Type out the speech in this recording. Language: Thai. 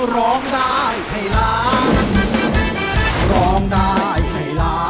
ร้องได้ให้ร้าน